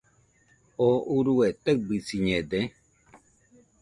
¿Oo urue taɨbɨsiñede?